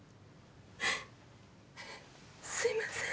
すいません。